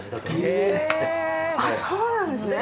あっそうなんですね。